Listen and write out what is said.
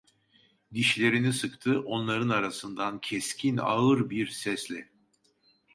Dişlerini sıktı, onların arasından, keskin, ağır bir sesle: